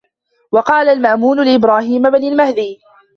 وَقَالَ الْمَأْمُونُ لِإِبْرَاهِيمَ بْنِ الْمَهْدِيِّ